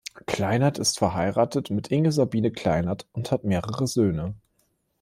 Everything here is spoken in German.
Kleinert ist verheiratet mit Inge Sabine Kleinert und hat mehrere Söhne.